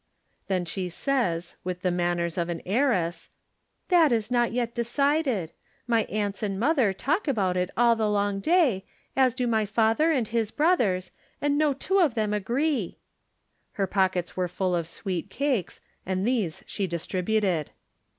Then she says, with the manners of an heiress: "That is not yet decided. My aunts and mother talk about it all the long day, as do my father and his brothers, and no two of them agree." Her pockets were full of sweet cakes, and these she distributed.